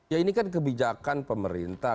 ya ini kan kebijakan pemerintah